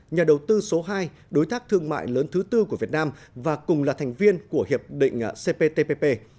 nhà đầu tư số hai đối tác thương mại lớn thứ tư của việt nam và cùng là thành viên của hiệp định cptpp